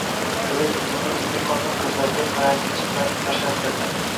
sovet tuzumi o‘zbek xotin-qizlariga... paranji-chimmat tashlattirdi!